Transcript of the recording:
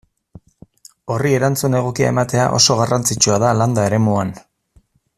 Horri erantzun egokia ematea oso garrantzitsua da landa eremuan.